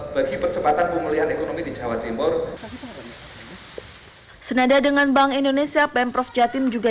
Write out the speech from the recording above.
bagi percepatan pemulihan ekonomi di jawa timur senada dengan bank indonesia pemprov jatim juga